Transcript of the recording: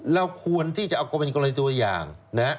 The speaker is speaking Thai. เราควรที่จะเอาคนเป็นกรณีตัวอย่าง